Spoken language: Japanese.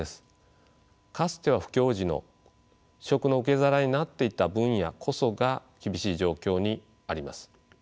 かつては不況時の職の受け皿になっていた分野こそが厳しい状況にあります。